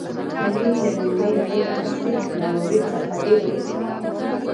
علي د نننۍ نړۍ له عصري ټکنالوژۍ څخه ډېر وروسته پاتې دی.